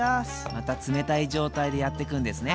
また冷たい状態でやってくんですね。